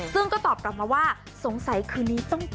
ซึ่งก็ตอบกลับมาว่าสงสัยคืนนี้ต้องเจอ